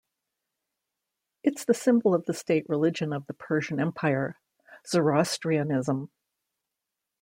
It's the symbol of the state religion of the Persian Empire: Zoroastrianism.